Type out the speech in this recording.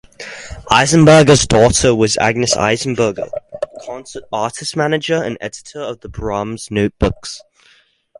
Eisenberger's daughter was Agnes Eisenberger, concert artist manager, and editor of "The Brahms Notebooks".